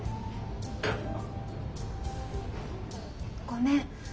ごめん。